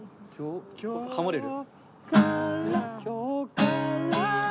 ハモれる？